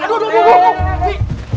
aduh aduh aduh